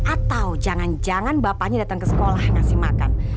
atau jangan jangan bapaknya datang ke sekolah ngasih makan